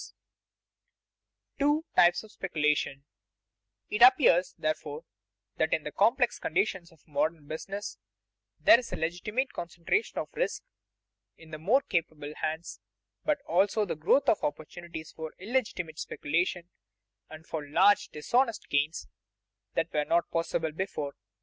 [Sidenote: Two types of speculation] It appears, therefore, that in the complex conditions of modern business there is a legitimate concentration of risk in the more capable hands, but also a growth of opportunities for illegitimate speculation and for large dishonest gains that were not possible before.